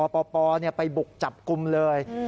ปปไปบุกจับกลุ่มเลย